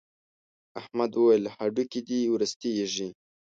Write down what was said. احمد وويل: هډوکي دې ورستېږي.